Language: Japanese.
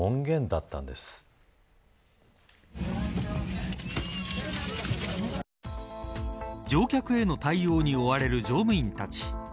その原因は乗客への対応に追われる乗務員たち。